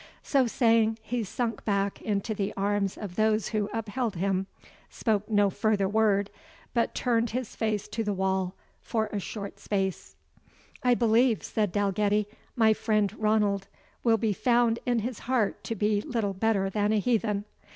So saying, he sunk back into the arms of those who upheld him, spoke no further word, but turned his face to the wall for a short space. "I believe," said Dalgetty, "my friend Ranald will be found in his heart to be little better than a heathen."